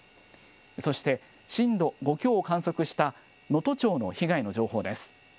そして、震度５強を観測した能登町の被害の情報です。